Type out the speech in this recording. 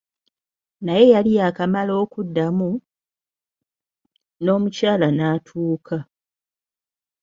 Naye yali yaakamala okuddamu, n'omukyala n'atuuka.